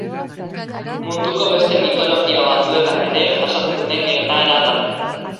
Munduko beste mitologia batzuetan ere jasotzen den gertaera da.